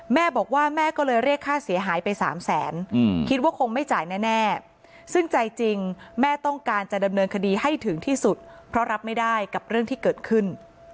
แม่บอกว่าแม่ก็เลยเรียกค่าเสียหายไป๓แสนคิดว่าคงไม่จ่ายแน่ซึ่งใจจริงแม่ต้องการจะดำเนินคดีให้ถึงที่สุดเพราะรับไม่ได้กับเรื่องที่เกิดขึ้น